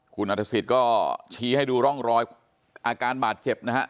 คุณอัฐศิษย์ก็ชี้ให้ดูร่องรอยอาการบาดเจ็บนะฮะ